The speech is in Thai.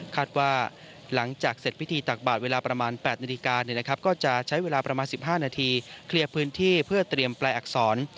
ว่าหลังจากเสร็จพิธีตักบาทเวลาประมาณ๘นาฬิกาก็จะใช้เวลาประมาณ๑๕นาทีเคลียร์พื้นที่เพื่อเตรียมแปลอักษร